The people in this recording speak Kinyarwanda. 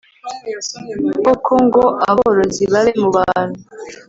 koko ngo abarozi babe mu bantu